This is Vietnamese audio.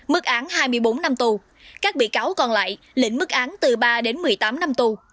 mức án hai mươi bốn năm tù các bị cáo còn lại lĩnh mức án từ ba đến một mươi tám năm tù